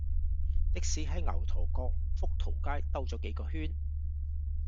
的士喺牛頭角福淘街兜左幾個圈